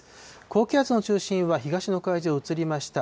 高気圧の中心は東の海上に移りました。